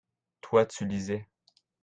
toi, tu lisais.